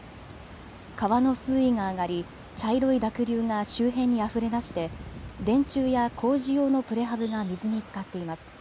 川の水位が上がり茶色い濁流が周辺にあふれ出して電柱や工事用のプレハブが水につかっています。